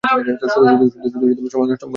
শুধু শুধু সময় নষ্ট করলাম এখানে।